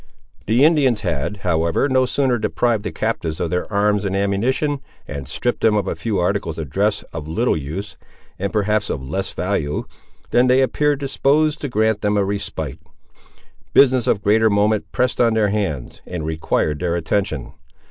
The Indians had, however, no sooner deprived the captives of their arms and ammunition, and stripped them of a few articles of dress of little use, and perhaps of less value, than they appeared disposed to grant them a respite. Business of greater moment pressed on their hands, and required their attention.